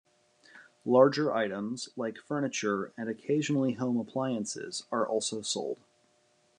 Larger items like furniture and occasionally home appliances are also sold.